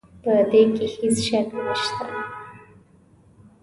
په دې کې هېڅ شک نه شته.